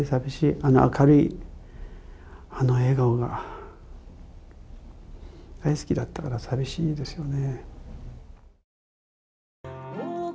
あの明るい、あの笑顔が大好きだったから、寂しいですよね。